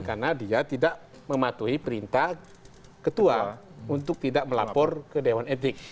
karena dia tidak mematuhi perintah ketua untuk tidak melapor ke dewan etik